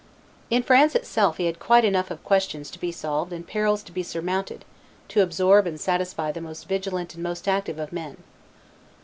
In France itself he had quite enough of questions to be solved and perils to be surmounted to absorb and satisfy the most vigilant and most active of men.